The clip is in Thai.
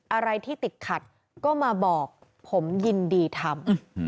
อะไรที่ติดขัดก็มาบอกผมยินดีทำ